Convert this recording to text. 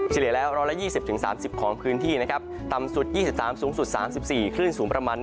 เฉลี่ยแล้วร้อยละ๒๐๓๐องศาเซียตของพื้นที่ต่ำสุด๒๓องศาเซียตสูงสุด๓๔องศาเซียตคลื่นสูงประมาณ๑๒เมตร